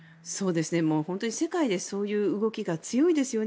本当に世界でそういう動きが強いですよね。